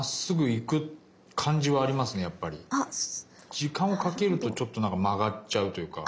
時間をかけるとちょっとなんか曲がっちゃうというか。